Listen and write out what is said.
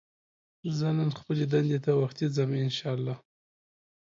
زه نن خپلې دندې ته وختي ځم ان شاءالله